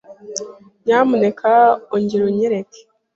Nyamuneka ongera unyereke.